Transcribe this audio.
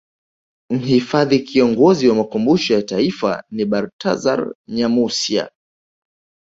Mhifadhi Kiongozi wa Makumbusho ya Taifa ni Bartazar Nyamusya